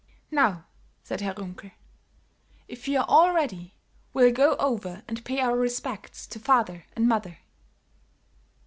"Now," said Herr Runkel, "if you are all ready, we'll go over and pay our respects to father and mother."